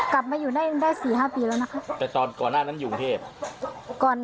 กลับมาอยู่ได้ได้๔๕ปีแล้วนะคะ